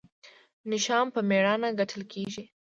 نشان په میړانه ګټل کیږي